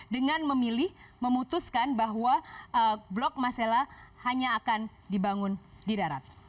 dengan memilih memutuskan bahwa blok masela hanya akan dibangun di darat